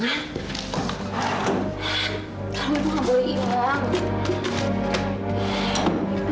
ini saudara bayinya